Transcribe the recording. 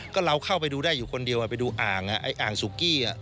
ก็เราเข้าไปดูได้อยู่คนเดียวไปดูอ่างไอ้อ่างสุกี้